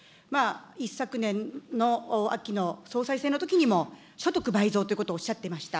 一昨年の秋の総裁選のときにも所得倍増ということをおっしゃっていました。